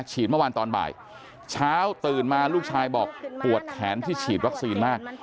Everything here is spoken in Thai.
เมื่อวานตอนบ่ายเช้าตื่นมาลูกชายบอกปวดแขนที่ฉีดวัคซีนมาก